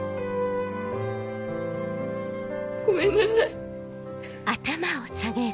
ごめんなさい。